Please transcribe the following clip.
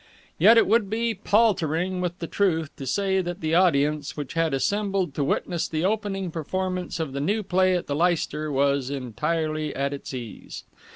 Yet it would be paltering with the truth to say that the audience which had assembled to witness the opening performance of the new play at the Leicester was entirely at its ease.